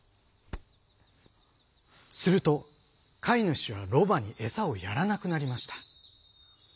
すると飼い主はロバに餌をやらなくなりました。